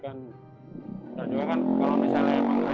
kalau misalnya emang kerja gini pak